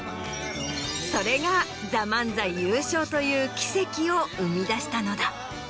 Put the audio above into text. それが『ＴＨＥＭＡＮＺＡＩ』優勝という奇跡を生み出したのだ。